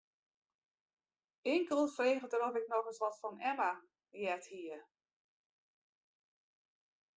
Inkeld frege er oft ik noch ris wat fan Emma heard hie.